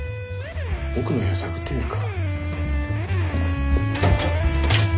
奥の部屋探ってみるか？